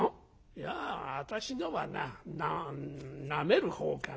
「いや私のはななめる方かな。